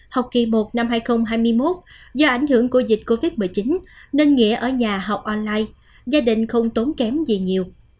học kỳ một năm hai nghìn hai mươi một do ảnh hưởng của dịch covid một mươi chín nên nghĩa ở nhà học online gia đình không tốn kém gì nhiều